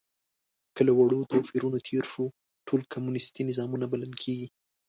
که له وړو توپیرونو تېر شو، ټول کمونیستي نظامونه بلل کېږي.